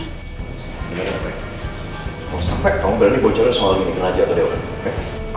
kalau sampai kamu berani bocorin soal ini ke raja atau dewa